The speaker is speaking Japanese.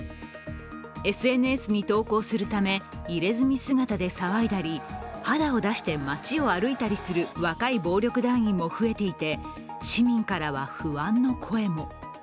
ＳＮＳに投稿するため、入れ墨姿で騒いだり肌を出して街を歩いたりする若い暴力団員も増えていて、市民からは不安の声も。